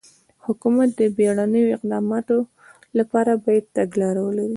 حکومت د بېړنیو اقداماتو لپاره باید تګلاره ولري.